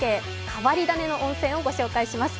変わり種の温泉をご紹介します。